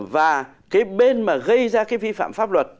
và cái bên mà gây ra cái vi phạm pháp luật